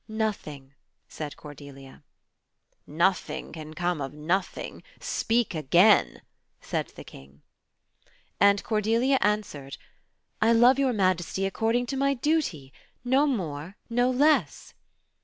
Nothing," said Cordelia. Nothing can come of nothing. Speak again," said the King. And Cordelia answered — "I love your Majesty according to my duty, — no more, no less."